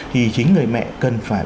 thì chính người mẹ cần phải